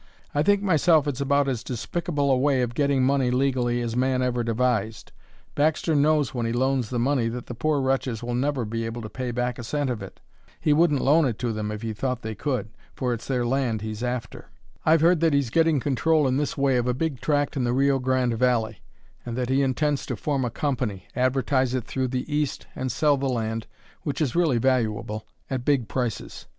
"I think myself it's about as despicable a way of getting money legally as man ever devised. Baxter knows when he loans the money that the poor wretches will never be able to pay back a cent of it. He wouldn't loan it to them if he thought they could, for it's their land he's after. I've heard that he's getting control in this way of a big tract in the Rio Grande valley and that he intends to form a company, advertise it through the East, and sell the land, which is really valuable, at big prices."